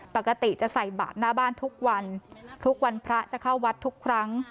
ปกติจะใส่บาทหน้าบ้านทุกวันทุกวันพระจะเข้าวัดทุกครั้ง